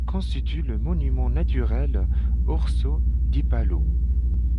Il constitue le monument naturel Orso di Palau.